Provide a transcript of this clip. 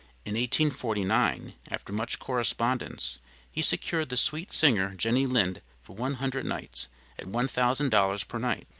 In 1849, after much correspondence, he secured the sweet singer, Jenny Lind, for one hundred nights, at one thousand dollars per night.